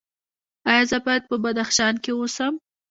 ایا زه باید په بدخشان کې اوسم؟